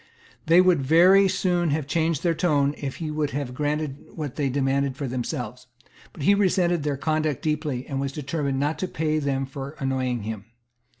They would very soon have changed their tone if he would have granted what they demanded for themselves. But he resented their conduct deeply, and was determined not to pay them for annoying him.